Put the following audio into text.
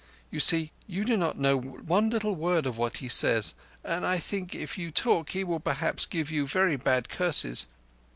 You see, you do not know one little word of what he says, and I think if you talk he will perhaps give you very bad curses.